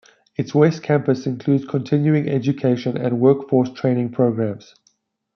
Its West Campus includes continuing education and workforce training programs.